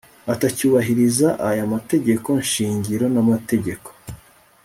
atacyubahiriza aya mategeko shingiro n amategeko